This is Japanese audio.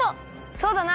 そうだな！